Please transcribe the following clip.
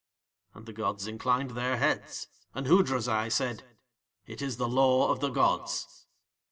And the gods inclined Their heads and Hoodrazai said: "It is the law of the gods."